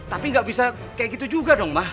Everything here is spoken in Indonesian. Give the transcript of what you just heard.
tapi gak bisa kayak gitu juga dong ma